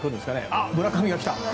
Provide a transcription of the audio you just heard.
あっ、村上が来た。